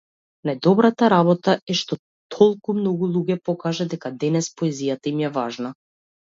Најдобрата работа е што толку многу луѓе покажа дека денес поезијата им е важна.